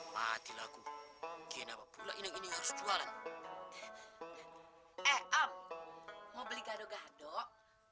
mati lagu kenapa pula ini harus jualan eh om mau beli gaduh gaduh